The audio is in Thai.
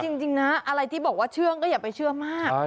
จริงนะอะไรที่บอกว่าเชื่องก็อย่าไปเชื่อมาก